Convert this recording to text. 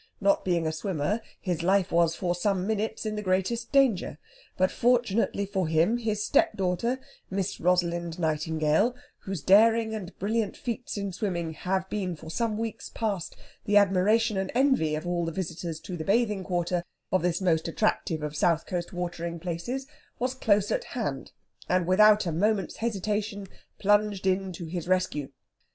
Not being a swimmer, his life was for some minutes in the greatest danger; but fortunately for him his stepdaughter, Miss Rosalind Nightingale, whose daring and brilliant feats in swimming have been for some weeks past the admiration and envy of all the visitors to the bathing quarter of this most attractive of south coast watering places, was close at hand, and without a moment's hesitation plunged in to his rescue.